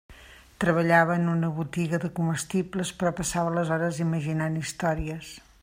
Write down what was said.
Treballava en una botiga de comestibles, però passava les hores imaginant històries.